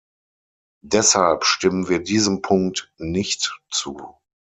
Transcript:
Deshalb stimmen wir diesem Punkt nicht zu.